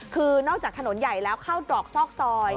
คือนอกจากถนนใหญ่แล้วเข้าตรอกซอกซอย